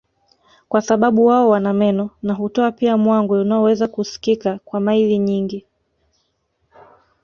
kwa sababu wao wana meno na hutoa pia mwangwi unaoweza kusikika kwa maili nyingi